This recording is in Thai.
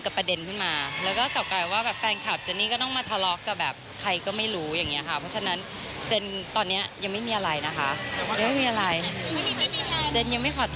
ก็ยังไม่อยากตอบอะไรอีกเหมือนกันค่ะ